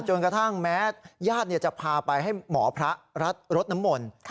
จนกระทั่งแม้ญาติจะพาไปให้หมอพระรดน้ำมนต์